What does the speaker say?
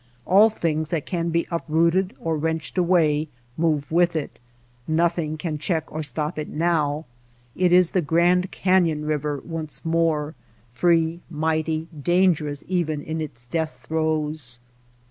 All things that can be uprooted or wrenched away, move with it. Nothing can check or stop it now. It is the Grand Canyon river once more, free, mighty, dangerous even in its death throes.